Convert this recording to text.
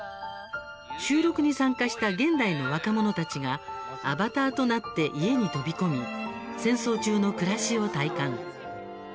収録に参加した現代の若者たちがアバターとなって家に飛び込み戦争中の暮らしを体感。